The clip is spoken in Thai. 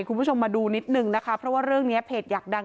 คุณผู้ชมมาดูนิดนึงนะคะเพราะว่าเรื่องนี้เพจอยากดัง